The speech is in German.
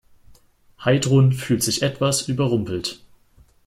Heidrun fühlt sich etwas überrumpelt.